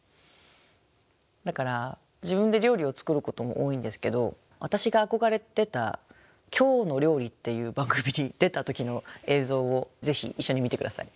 だから自分で料理を作ることも多いんですけど私が憧れてた「きょうの料理」っていう番組に出た時の映像をぜひ一緒に見て下さい。